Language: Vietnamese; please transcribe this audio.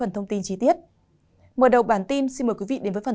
thông tin các ca nhiễm mới